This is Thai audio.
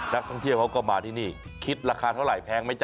นักท่องเที่ยวเขาก็มาที่นี่คิดราคาเท่าไหร่แพงไหมจ๊